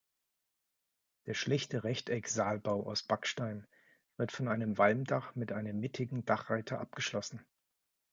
Der schlichte Rechteck-Saalbau aus Backstein wird von einem Walmdach mit einem mittigen Dachreiter abgeschlossen.